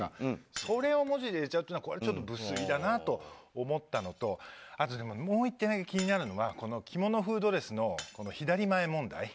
それを文字で入れちゃうのはちょっと無粋だなと思ったのとあと、もう１点気になるのはこの着物風ドレスの左前問題。